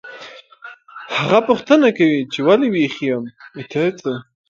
هغه پوښتنه کوي چې ولې ویښ یم